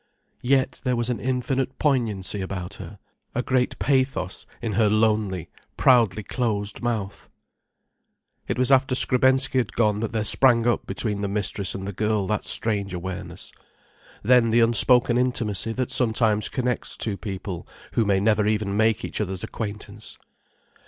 Yet there was an infinite poignancy about her, a great pathos in her lonely, proudly closed mouth. It was after Skrebensky had gone that there sprang up between the mistress and the girl that strange awareness, then the unspoken intimacy that sometimes connects two people who may never even make each other's acquaintance.